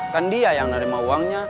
kan dia yang menerima uangnya